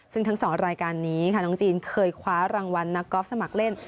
ซึ่งทั้ง๒รายการนี้ค่ะน้องจีนเคยคว้ารางวัลนักกอล์ฟสมัครเล่น